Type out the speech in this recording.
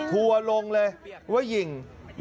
ทัวลงเลยว่าหญิง